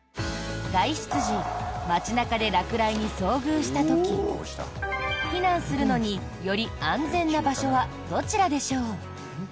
外出時街中で落雷に遭遇した時避難するのに、より安全な場所はどちらでしょう？